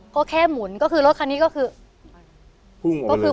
เพราะแค่หมุนก็คือรถคันนี้ก็คือ